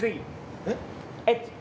えっ？